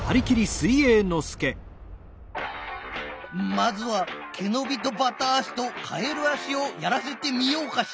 まずはけのびとばた足とかえる足をやらせてみようかしら。